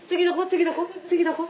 次どこ？